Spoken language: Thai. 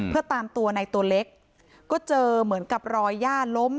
เพื่อตามตัวในตัวเล็กก็เจอเหมือนกับรอยย่าล้ม